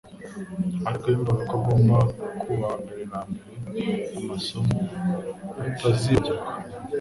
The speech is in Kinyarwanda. Ariko yumvaga ko agomba kubaha mbere na mbere amasomo batazibagirwa.